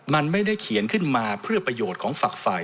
มันไม่ได้เขียนขึ้นมาเพื่อประโยชน์ของฝักฝ่าย